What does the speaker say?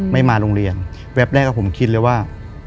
ไม่มาโรงเรียนแวบแรกผมคิดเลยว่า